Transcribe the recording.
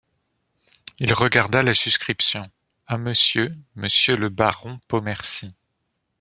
Il regarda la suscription: À monsieur, monsieur le baron Pommerci.